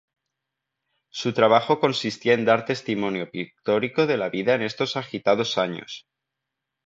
Su trabajo consistía en dar testimonio pictórico de la vida en estos agitados años.